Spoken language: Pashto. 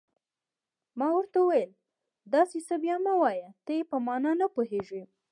ما ورته وویل: داسې څه بیا مه وایه، ته یې په معنا نه پوهېږې.